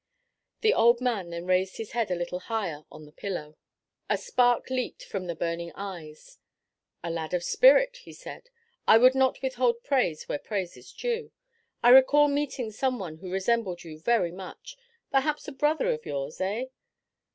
The old man then raised his head a little higher on the pillow. A spark leaped from the burning eyes. "A lad of spirit," he said. "I would not withhold praise where praise is due. I recall meeting some one who resembled you very much. Perhaps a brother of yours, eh?"